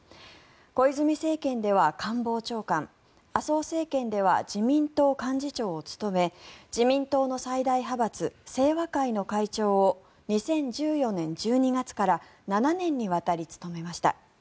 小泉政権では官房長官麻生政権では自民党幹事長を務め自民党の最大派閥清和会の会長を２０１４年１２月から７年にわたり務めました。